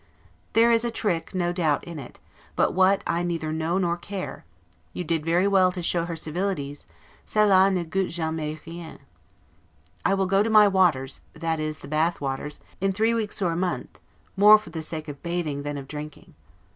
There is a trick no doubt in it; but what, I neither know nor care; you did very well to show her civilities, 'cela ne gute jamais rien'. I will go to my waters, that is, the Bath waters, in three weeks or a month, more for the sake of bathing than of drinking.